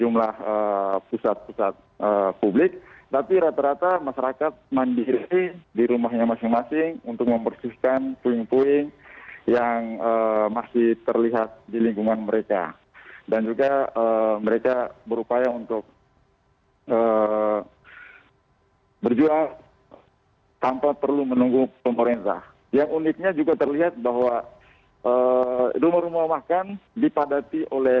masih belum terangkat